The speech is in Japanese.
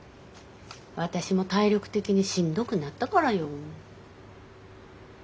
私も体力的にしんどくなったからよ。